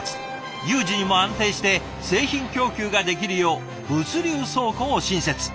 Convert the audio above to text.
有事にも安定して製品供給ができるよう物流倉庫を新設。